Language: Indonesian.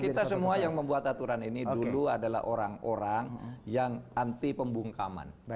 kita semua yang membuat aturan ini dulu adalah orang orang yang anti pembungkaman